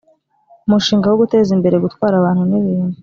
umushinga wo guteza imbere gutwara abantu ni bintu